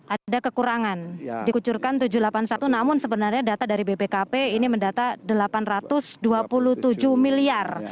ada kekurangan dikucurkan tujuh ratus delapan puluh satu namun sebenarnya data dari bpkp ini mendata delapan ratus dua puluh tujuh miliar